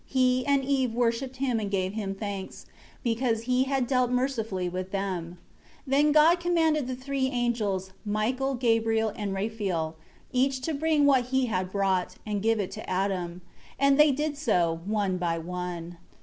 He and Eve worshipped Him and gave Him thanks, because He had dealt mercifully with them. 5 Then God commanded the three angels, Michael, Gabriel and Raphael, each to bring what he had brought, and give it to Adam. And they did so, one by one.